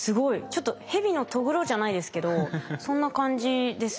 ちょっとヘビのとぐろじゃないですけどそんな感じですね。